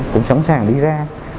cũng sẵn sàng đi ra